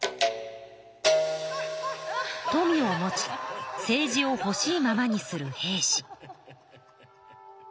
富を持ち政治をほしいままにする平氏。